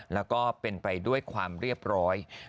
แล้วก็เป็นไปด้วยความเรียบร้อย